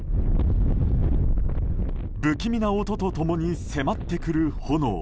不気味な音と共に迫ってくる炎。